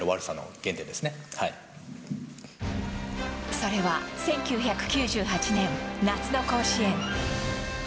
それは１９９８年、夏の甲子園。